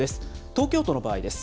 東京都の場合です。